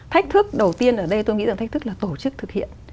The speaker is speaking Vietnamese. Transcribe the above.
thách thức đầu tiên ở đây tôi nghĩ rằng thách thức là tổ chức thực hiện